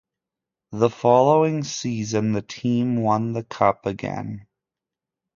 The following season the team won the cup again.